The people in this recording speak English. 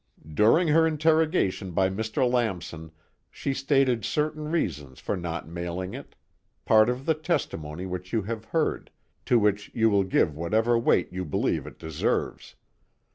During her interrogation by Mr. Lamson, she stated certain reasons for not mailing it part of the testimony which you have heard, to which you will give whatever weight you believe it deserves.